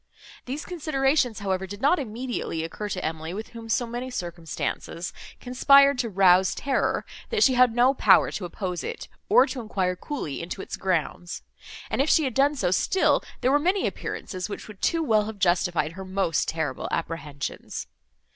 These considerations, however, did not immediately occur to Emily, with whom so many circumstances conspired to rouse terror, that she had no power to oppose it, or to enquire coolly into its grounds; and, if she had done so, still there were many appearances which would too well have justified her most terrible apprehensions.